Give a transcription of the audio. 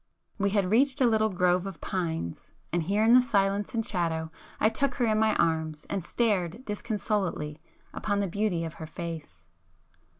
We had reached a little grove of pines,—and here in the silence and shadow I took her in my arms and stared disconsolately upon the beauty of her face.